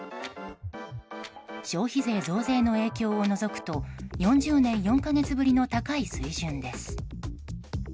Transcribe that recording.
消費税増税の影響を除くと４０年４か月ぶりの高い水準です。